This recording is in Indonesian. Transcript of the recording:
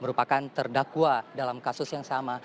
merupakan terdakwa dalam kasus yang sama